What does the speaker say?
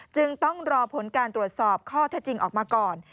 จึงต้องรอผลการตรวจสอบข้อเท็จจริงออกมาก่อน